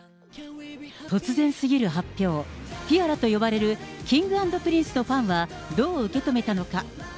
突然すぎる発表、ティアラと呼ばれるＫｉｎｇ＆Ｐｒｉｎｃｅのファンは、どう受け止めたのか。